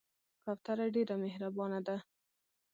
کوتره ډېر مهربانه ده.